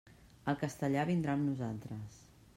El castellà vindrà amb nosaltres.